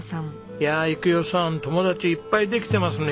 いや育代さん友達いっぱいできてますね。